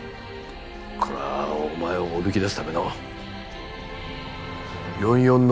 これはお前をおびき出すための４４の罠だ。